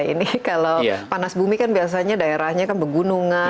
ini kalau panas bumi kan biasanya daerahnya kan pegunungan